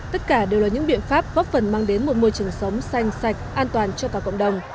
tất cả đều là những biện pháp góp phần mang đến một môi trường sống xanh sạch an toàn cho cả cộng đồng